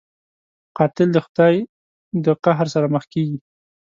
قاتل د خدای د قهر سره مخ کېږي